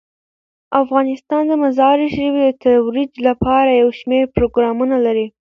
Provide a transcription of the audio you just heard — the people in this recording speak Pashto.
افغانستان د مزارشریف د ترویج لپاره یو شمیر پروګرامونه لري.